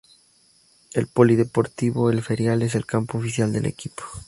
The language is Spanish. El Polideportivo "El Ferial" es el campo oficial del equipo.